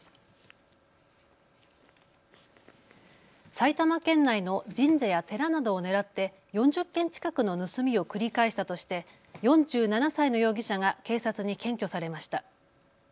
埼玉県内の神社や寺などを狙って４０件近くの盗みを繰り返したとして４７歳の容疑者が警察に検挙されました。